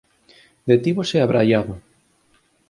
Detívose abraiado.